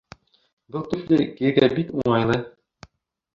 Был туфли кейергә бик уңайлы